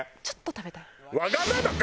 ちょっと食べたい。